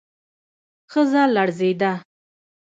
ښځه لړزېده.